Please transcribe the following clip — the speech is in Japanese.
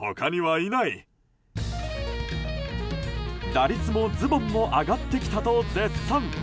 打率もズボンも上がってきたと絶賛。